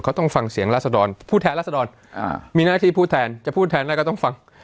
เขาต้องฟังเสียงราษฎรพูดแทนราษฎรมีหน้าที่พูดแทนจะพูดแทนอะไรก็ต้องฟัง